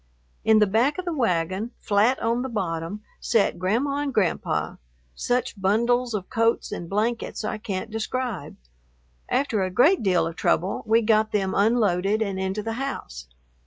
In the back of the wagon, flat on the bottom, sat Grandma and Grandpa, such bundles of coats and blankets I can't describe. After a great deal of trouble we got them unloaded and into the house.